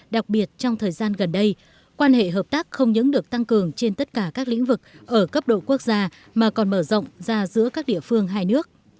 đặc biệt trong thời gian gần đây quan hệ hợp tác không những được tăng cường trên tất cả các lĩnh vực ở cấp độ quốc gia mà còn mở rộng ra giữa các địa phương hai nước